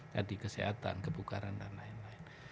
jadi kesehatan kebugaran dan lain lain